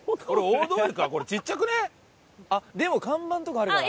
でも看板とかあるから。